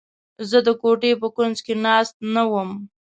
زه د کوټې په کونج کې ناست نه وم.